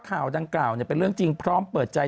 ข่าวดังกล่าวเป็นเรื่องจริงพร้อมเปิดใจ